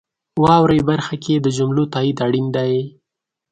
واورئ برخه کې د جملو تایید اړین دی.